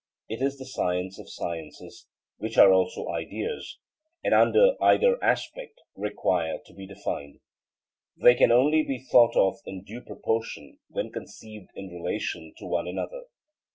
It is the science of sciences, which are also ideas, and under either aspect require to be defined. They can only be thought of in due proportion when conceived in relation to one another.